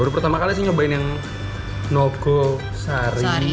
baru pertama kali sih nyobain yang noco sari